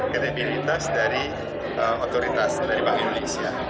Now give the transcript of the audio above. kredibilitas dari otoritas dari bank indonesia